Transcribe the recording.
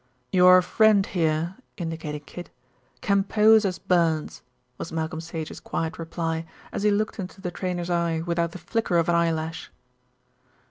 "Your friend here," indicating Kid, "can pose as Burns," was Malcolm Sage's quiet reply, as he looked into the trainer's eye without the flicker of an eyelash.